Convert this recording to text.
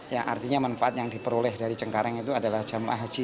ya artinya manfaat yang diperoleh dari cengkareng itu adalah jamaah haji